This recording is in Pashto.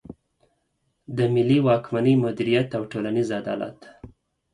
د ملي واکمني مدیریت او ټولنیز عدالت.